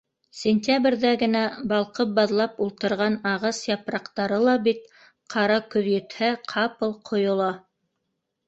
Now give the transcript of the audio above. Сентябрҙә генә балҡып, баҙлап ултырған ағас япраҡтары ла бит ҡара көҙ етһә ҡапыл ҡойола.